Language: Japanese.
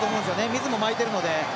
水もまいてるので。